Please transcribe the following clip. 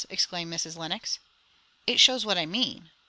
exclaimed Mrs. Lenox. "It shows what I mean."